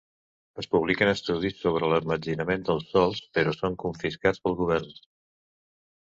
Es publiquen estudis sobre l'emmetzinament dels sòls, però són confiscats pel govern.